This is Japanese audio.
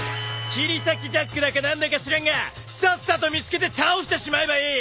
切り裂きジャックだか何だか知らんがさっさと見つけて倒してしまえばいい！